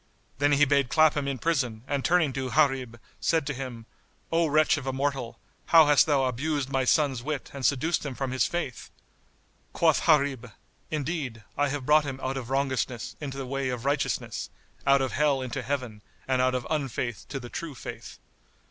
Then he bade clap him in prison and turning to Gharib, said to him, "O wretch of a mortal, how hast thou abused my son's wit and seduced him from his Faith?" Quoth Gharib, "Indeed, I have brought him out of wrongousness into the way of righteousness, out of Hell into Heaven and out of unfaith to the True Faith."